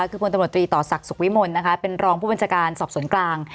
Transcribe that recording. คือบริษัทต่อศักดิ์สุขวิมนต์เป็นรองผู้บัญชาการสอบสนกลาง